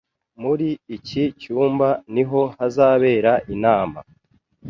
Muri iki cyumba niho hazabera inama